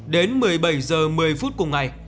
đến một mươi bảy h một mươi phút cùng ngày